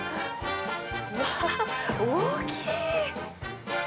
うわー、大きい！